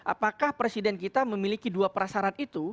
apakah presiden kita memiliki dua prasarat itu